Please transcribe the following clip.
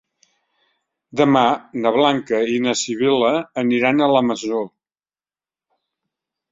Demà na Blanca i na Sibil·la aniran a la Masó.